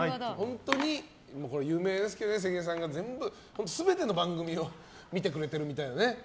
本当に有名ですけど関根さんが全ての番組を見てくれてるみたいなね。